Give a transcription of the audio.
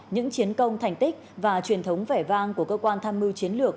những chiến công thành tích và truyền thống vẻ vang của cơ quan tham mưu chiến lược